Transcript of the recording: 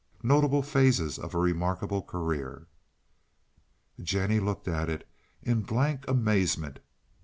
Notable phases of a remarkable career. Jennie looked at it in blank amazement.